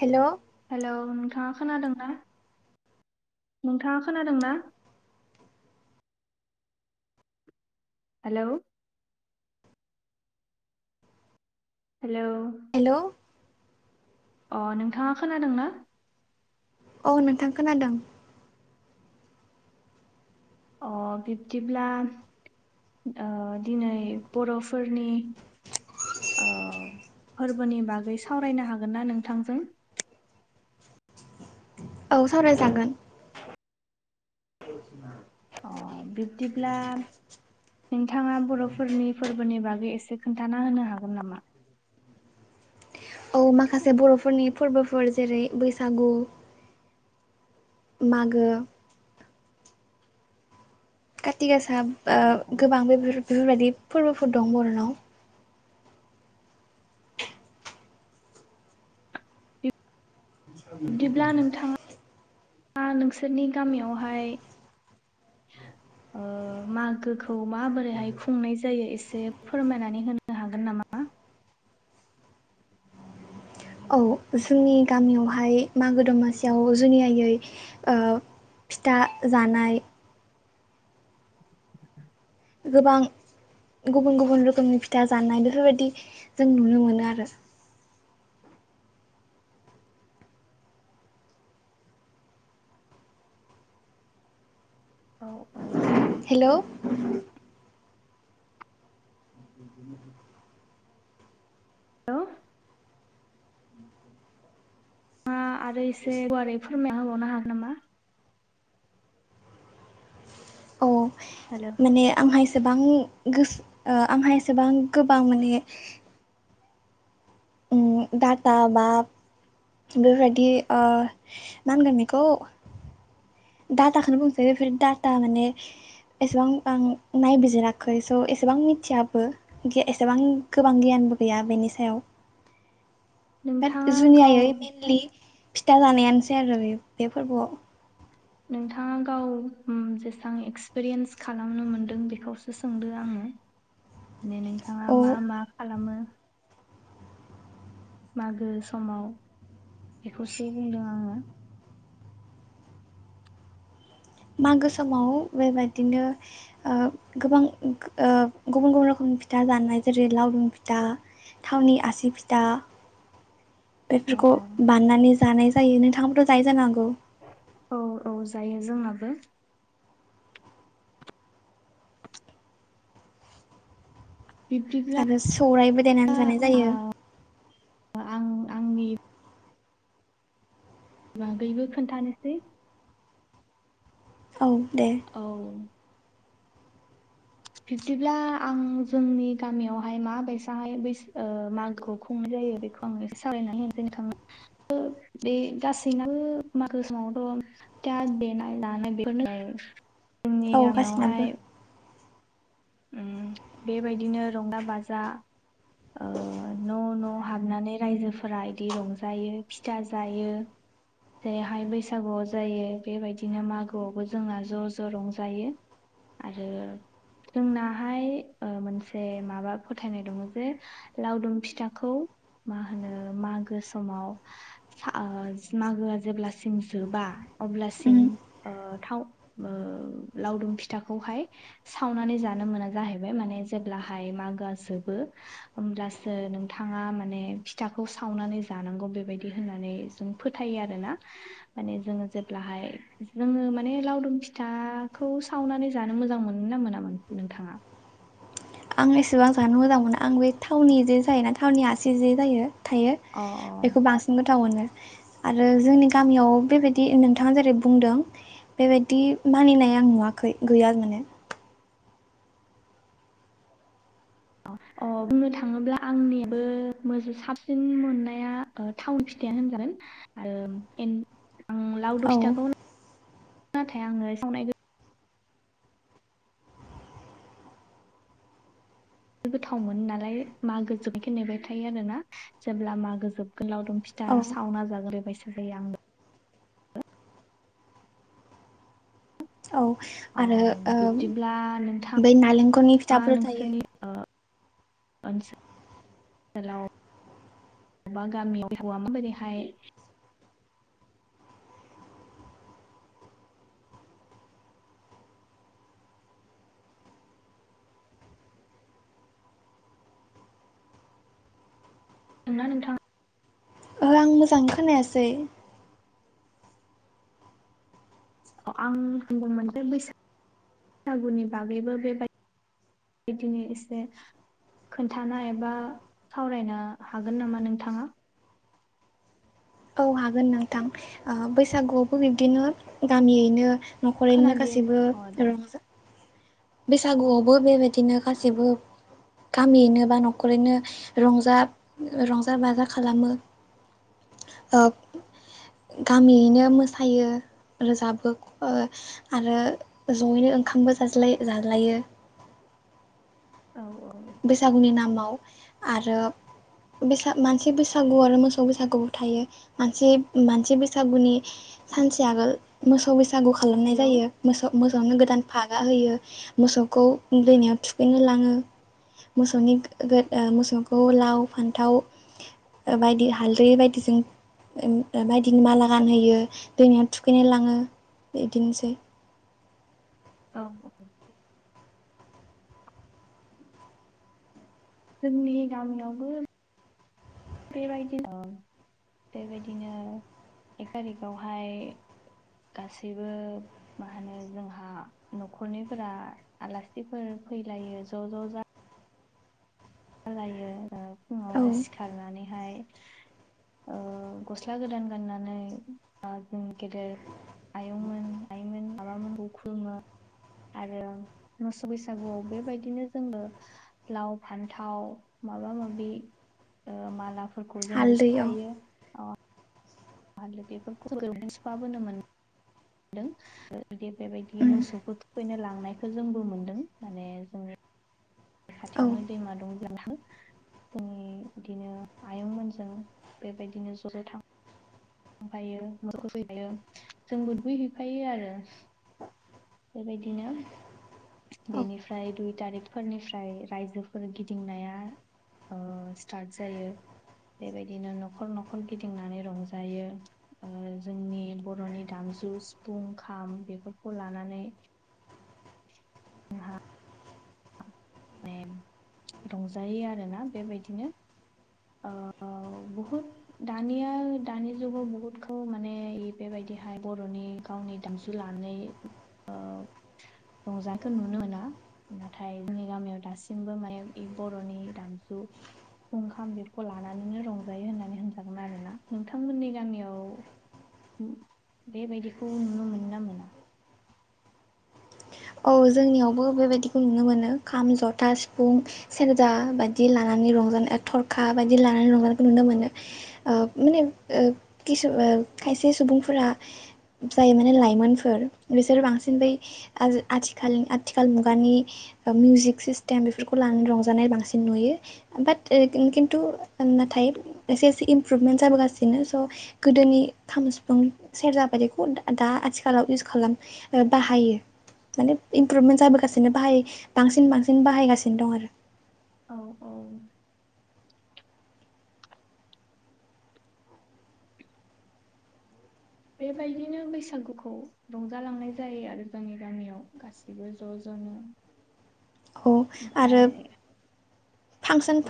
Hello hello नोंथाङा खोनादोंना नोंथाङा खोनादों ना? हेलौ हेलौ हेलौ अ नोंथाङा खोनादों ना? औ नोंथां खोनादों अ बिब्दिब्ला दिनै बर'फोरनि ओ फोरबोनि बागै सावरायनो हागोन ना नोंथांजों? औ सावरायजागोन [unintelligible] बिबदिब्ला नोंथाङा बर'फोरनि फोरबोनि बागै एसे खोनथाना होनो हागोन नामा? औ माखासे बर'फोरनि फोरबोफोर जेरै बैसागु मागो काति गासा औ ओ औ गोबां बेफोर बेफोर बायदि फोरबोफोर दं बर'नाव बिब्दिब्ला नोंथाङा नोंसोरनि गामियावहाय [unintelligible] ओ मागोखौ माबोरैहाय खुंनाय जायो एसे फोरमायनानै होनो हागोन नामा औ जोंनि गामियावहाय मागो दमासियाव जुनियायै ओ फिथा जानाय गोबां गुबुन गुबुन रोखोमनि फिथा जानाय बेफोरबायदि जों नुनो मोनो आरो औ औ हेलौ [unintelligible] मा आरो एसे गुवारै फोरमायना होबावनो हागोन नामा औ हेल माने आंहा एसेबां गोसो आंहा एसेबां गोबां माने ओम डाटा बा बेफोरबायदि ओ मा होनगोन बेखौ डाटाखौनो बुंसै बेफोर डाटा माने एसेबां आं नायबिजिराखै स' एसेबां मिथियाबो एसेबां गोबां गियानबो गैया बेनि सायाव बाट नोंथाङा गाव जुनियायै मेइेनलि फिथा जानायानोसै आरो बे फोरबोआव नोंथाङा गाव जेसबां एक्सपिरियेन्स खालामनो मोनदों बेखौसो सोंदो आङो बिदिनो नोंथाङा औ मा मा खालामो मागो समाव बेखौसो बुंदों आङो मागो समाव बेबायदिनो गोबां गुबुन गुबुन रोखोमनि फिथा जानाय जेरै लावदुम फिथा थावनि आसि फिथा [inaudible] अ बेफोरखौ अ बाननानै जानाय जायो नोंथाङाबोथ' जायो जानो हागौ औ औ जायो जोंनाबो बिबदि आरो सौरायबो देनानै जानाय जायो आं आंनि बागैबो खोन्थानोसै औ दे औ बिब्दिब्ला आं जोंनि गामियावहाय मा बायसाहाय बैस [unintelligible] मागोखौ खुंनाय जायो बेखौ बेखौ आं एसे सावरायनानै होनोसै नोंथांनो बे गासैनाबो मागो समावथ' देनाय [unintelligible] बेनो जोंनि औ गासिनाबो गामियावहाय ओम बेबायदिनो रंजा बाजा ओ न' न' हाबनानै रायजोफोरा इदि रंजायो फिथा जायो जेरैहाय बैसागुआव जायो बेबायदिनो मागोआवबो जोंना ज' ज' रंजायो आरो जोंनाहाय मोनसे माबा फोथायनाय दङ जे लावदुम फिथाखौ मा होनो मागो समाव सा ओ मागोआ जेब्लासिम जोबा उम अब्लासिम थाव ओ लावदुम फिथाखौहाय सा सावनानै जानो मोना जाहैबाय माने जेब्लाहाय मागोआ जोबो होमब्लासो नोंथाङा माने फिथाखौ सावनानै जानांगौ बेबायदि होननानै जों फोथायो आरोना माने जोङो जेब्लाहाय जोङो माने लावदुम फिथाखौ सावनानै जानो मोजां मोनोना मोना [unintelligible] नोंथाङा आं एसेबां जानो मोजां मोना आं बे थावनि जे थायोना थावनि आसि जे जायो थायो अ बेखौ बांसिन गोथाव मोनो आरो जोंनि गामियाव बेबायदि दि नोंथाङा जेरै बुंदों बेबायदि मानिनाय आं नुवाखै गैया माने। अ अ बुंनो थाङोब्ला आंनिबो मो साबसिन मोननाया ओ थावनि फिथायानो होनजागोन आरो एन आं औ लावदुम फिथाखौ [inaudible] नाथाय आङो सावनाय खो गोथाव मोनो नालाय मागो जोबनायखो नेबाय थायो आरोना जेब्ला मागो जोबगोन लावदुम फि था औ सावना जागोन बेबायसा जायो आं। औ अ आरो ओ बिब्दिब्ला नोंथाङा बै नालेंखलनि फिथाफोर थायो। ओनसोलाव एबा गामियाव [unintelligible] माबोरैहाय नोंगोना नोंथां थां आं मोजां खोनायासै। अ आं बुंदोंमोन जे बैसागुनि बागैबो बेबायदि बिदिनो एसे खोनथाना एबा सावरायनो हागोन नामा नोंथाङा औ हागोन नोंथां ओ बैसागुआवबो बिब्दिनो गामियैनो न'खरैनो खोनादि गासैबो अ दे रंजा बैसागुआवबो बेबायदिनो गासैबो गामियैनो बा न'खरैनो रंजा रंजा बाजा खालामो। ओब गामियैनो मोसायो रोजाबो ओ आरो जयैनो ओंखामबो जाज्ला-जाज्लायो। औ औ। बैसागुनि नामाव आरो बैसाग मानसि बैसागु आरो मोसौ बैसागुबो थायो। मानसि मानसि बैसागुनि सानसे आगोल मोसौ बैसागु खालामनाय हेलौ जायो। मोसौ मोसौनो गोदान फागा होयो मोसौखौ दैमायाव थुखैनो लाङो। मोसौनि गो गो ओ मोसौखौ लाव, फान्थाव ओ बायदि हालदै बायदिजों ओ बायदिनि माला गानहोयो दैमायाव थुखैनाय लाङो बिदिनोसै। औ। जोंनि गामियावबो बेबायदिनो अ बेबायदिनो एक थारिखआवहाय गासैबो मा होनो जोंहा न'खरनिफोरा आलासिफोर फैलायो ज' ज' जा खालायो ओ औ फुङावनो सिखारनानैहाय ओ गस्ला गोदान गाननानै ओ जों गेदेर आयंमोन आइमोन आबामोनखौ खुलुमो आरो मोसौ बैसागुआव बेबायदिनो जोंबो लाव, फान थाव माबा माबि ओ मालाफोरखौ जोंबो हालदै औ सुफायो। [unintelligible] मोन दों ओ बे बेबायदि उम मोसौखौ थुखैनो लांनायखो जोंबो मोनदों माने जों औ खाथियावनो दैमा दं जोंहा। उम बिदिनो आयं मोनजों बेबायदिनो ज'-ज' थां फायो [unintelligible] जोंबो दुगै हैफायो आरो। बेबायदिनो औ बेनिफ्राय दुइ तारिखफोरनिफ्राय रायजोफोर गिदिंनाया ओ स्टार्ट जायो बेबायदिनो न'खर-न'खर गिदिंनानै रंजायो। ओ जोंनि बर'नि दामजु सिफुं, खाम बेफोरखौ लानानै माने रंजायो आरोना बेबायदिनो औ औ। औ बहुत दानिया दानि जुगाव बुहुदखौ माने बेबायदिहाय बर'नि गावनि दामजु लानानै ओ रंजानायखौ नुनो मोना नाथाय जोंनि गामियाव दासिमबो माने बर'नि दामजु खाम बेखौ लानानैनो रंजायो होननानै होनजागोन आरो ना नोंथांमोननि गामियाव बेबायदिखौ नुनो मोनो ना मोना? औ जोंनियावबो बेबायदिखौ नुनो मोनो खाम जथा सिफुं सेरजा बायदि लानानै रंजानाय थरखा बायदि लानानै रंजानायखौ नुनो मोनो। ओ माने खिसु खायसे सुबुंफोरा जाय माने लाइमोनफोर बिसोर बांसिन बै आथिखाल आथिखाल मुगानि मिउजिक सिस्टेम बेफोरखौ लानानै रंजानाय बांसिन नुयो। बाट खिन्थु नाथाय एसे एसे इमप्रुभमेन्ट जाबोगासिनो स' गोदोनि खाम सिफुं सेरजाबायदिखौ दा आथिखालाव इउस खालाम बाहायो माने इमप्रुभमेन्ट जाबोगासिनो बाहाय बांसिन बांसिन बाहायगासिनो दं आरो। औ औ बेबायदिनो बैसागुखौ रंजालांनाय जायो आरो जोंनि गामियाव गासैबो ज' ज'नो। [inaudible] औ आरो ओमफाय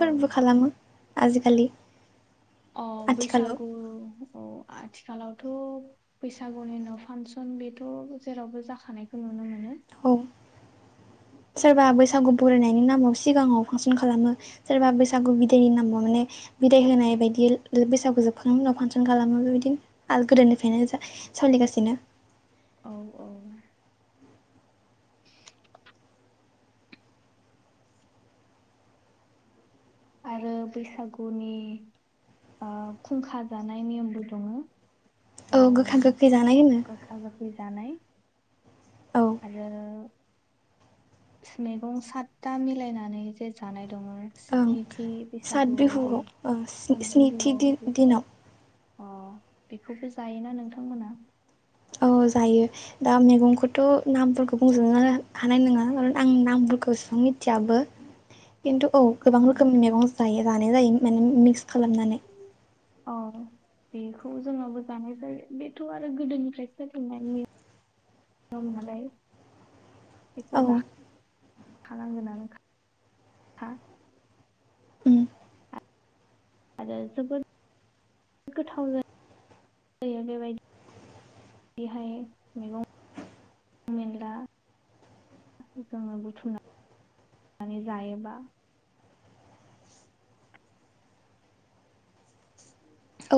औ खालामो आजिखालि। अ आथिखालाव बैसागु औ आथिखालावथ' बैसागुनि उनाव फांसन बेथ' जेरावबो जाखानायखौ नुनो मोनो औ सोरबा बैसागु बरायनायनि नामाव सिगाङाव फांसन खालामो सोरबा बैसागु बिदायनि नाम माने बिदाय होनाय बायदि बैसागु जोबखांनायनि उनाव फांसन खालामो बेबायदिनो आरो गोदोनिफ्रायनो जा सोलिगासिनो औ औ आरो बैसागोनि खुंखा जानाय नियमबो दंङो औ गोखा गोखै जानाय होनो गोखा गोखै जानाय औ आरो मैगं सादथा मिलायनानै जे जानाय दंङो ओं नैथि सात बैसागुआव बे बिहुआव स्निथि दिन [unintelligible] बे दिनाव अ बेखौबो जायोना नोंथांमोना औ जायो दा मैगंखौथ' नामफोरखौ बुंजोबनो हानाय नङा आं नामफोरखौ एसेबां मिथियाबो। खिन्थु औ गोबां रोखोमनि मैगं जायो जानाय जायो माने मिक्स खालामनानै। अ बेखौ जोंङाबो जानाय जायो बेथ' आरो गोदोनिफ्राय सोफेनायनि दं नालाय औ बेखौ जाखा नांगोनानोखा [unintelligible] उम आरो जोबोद गोथाव जायो जायो बेबायदि बिदिहाय मैगं मैला जोंङो बुथुमनानै जायोबा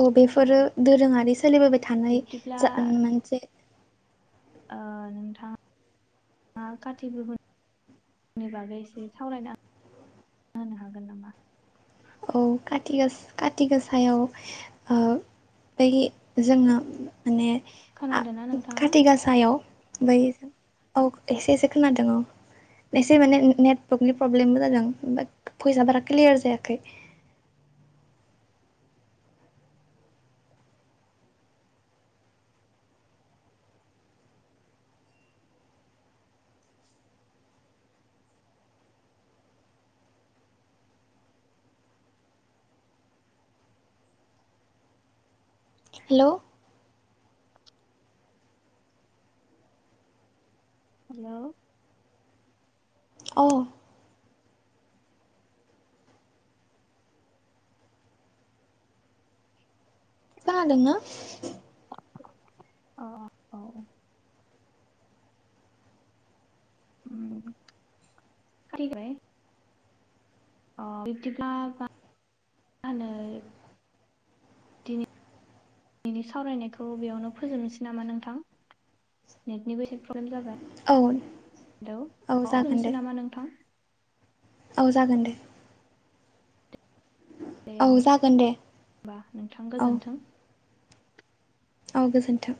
औ अ बेफोरो दोरोंङारि सोलिबोबाय थानाय बिब्दिब्ला जा मोनसे ओ नोंथांङा मा काति बिहुनि बागै एसे सावरायनो हागोन नामा [unintelligible] हागोन नामा खाथि गासायाव ओ बै जोंङो माने खोनादोंना नोंथांङा सायाव बै औ एसे एसे खोनादों औ एसे माने नेटवर्कनि प्रब्लेमबो जादों ओमफ्राय भयेसा बारा क्लियार जायाखै हेल हेल औ खोनादों ना अ अ औ औ उम [unintelligible] बिदिब्ला मा होन होनो बेनि सावरायनायखौ बेयावनो फोजोबनोसै नामा नोंथां नेटनिबो एसे प्रब्लेम जाबाय औ हेल अ औ जागोन दे दोनथनसै नामा नोंथां औ जागोन दे दे औ होन जागोन दे [unintelligible] होनबा नोंथां औ गोजोन्थों औ गोजोन्थों